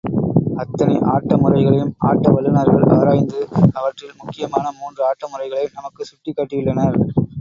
அத்தனை ஆட்ட முறைகளையும் ஆட்ட வல்லுநர்கள் ஆராய்ந்து, அவற்றில் முக்கியமான மூன்று ஆட்ட முறைகளை நமக்கு சுட்டிக் காட்டியுள்ளனர்.